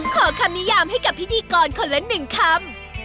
ขอคำนิยามให้กับพิธีกรคนละ๑คำ